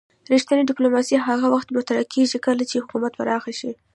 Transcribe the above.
رښتینې ډیپلوماسي هغه وخت مطرح کیږي کله چې حکومت پراخ شي